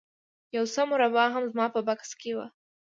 یو څه مربا هم زما په بکس کې وه